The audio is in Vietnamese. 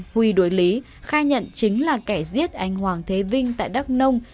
huy đối lý khai nhận chính là kẻ giết anh hoàng thế vinh tại đắk nông